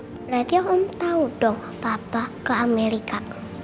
berarti om tau dong papa ke amerika